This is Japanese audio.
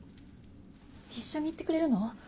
一緒に行ってくれるの？